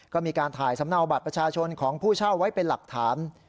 ก็มีการถ่ายสำเนาบัตรประชาชนของผู้เช่าไว้เป็นหลักฐาน